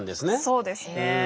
そうですね。